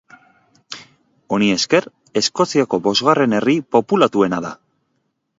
Honi esker Eskoziako bosgarren herri populatuena da.